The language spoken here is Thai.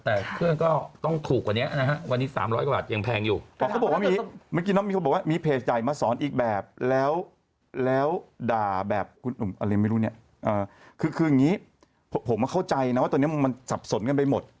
แต่วันนี้ผมเข้าใจนะว่าตอนนี้มันสับสนกันไปหมด